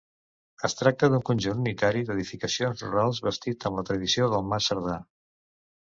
Es tracta d'un conjunt unitari d'edificacions rurals bastit amb la tradició del mas cerdà.